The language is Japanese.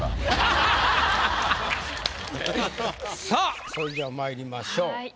さあそれじゃあまいりましょう。